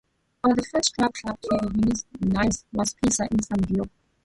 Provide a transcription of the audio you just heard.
But the first strip club to unionize was Pacer's in San Diego.